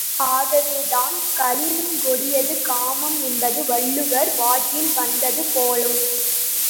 ஆகவே தான், கள்ளினுங் கொடிது காமம் என்பது வள்ளுவர் வாக்கில் வந்தது போலும்.